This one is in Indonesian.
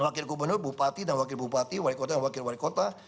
dan wakil gubernur bupati dan wakil bupati wali kota dan wakil wali kota